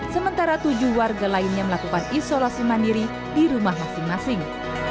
sementara tujuh warga lainnya melakukan isolasi mandiri di rumah masing masing